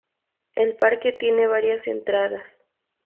El parque tiene varias entradas.